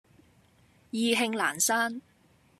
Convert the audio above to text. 意興闌珊